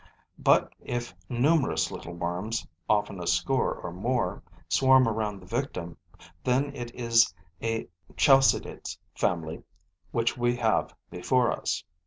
But, if numerous little worms, often a score and more, swarm around the victim, then it is a Chalcidid's family which we have before us.